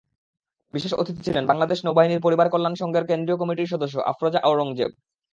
বিশেষ অতিথি ছিলেন বাংলাদেশ নৌবাহিনী পরিবারকল্যাণ সংঘের কেন্দ্রীয় কমিটির সদস্য আফরোজা আওরঙ্গজেব।